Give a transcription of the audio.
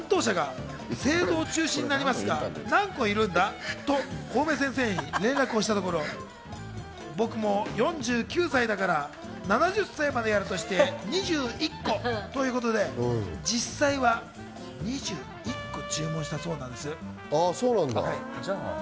担当者が製造中止になりますが、何個いるんだ？とコウメ先生に連絡をしたところ、僕も４９歳だから、７０歳までやるとして２１個ということで実際は２１個注文したそうなんです。